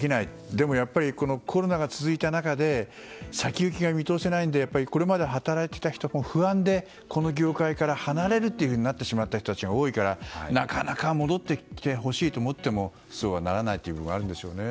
でもやっぱりコロナが続いた中で先行きが見通せないのでこれまで働いていた人が不安でこの業界から離れるとなってしまった人たちが多いからなかなか戻ってきてほしいと思ってもそうはならないというところがあるんでしょうね。